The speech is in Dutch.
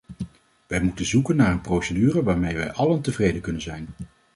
Wij moeten zoeken naar een procedure waarmee wij allen tevreden kunnen zijn.